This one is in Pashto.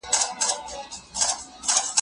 پېړۍ وشوه، چې پښتون له ټولو هېر و